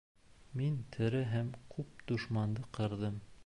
— Мин тере һәм күп дошманды ҡырҙым.